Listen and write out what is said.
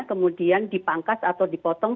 kemudian dipangkas atau dipotong